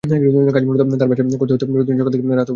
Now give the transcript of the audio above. কাজ মূলত তাঁর বাসায় বসে করতে হতো প্রতিদিন সকাল থেকে রাত অবধি।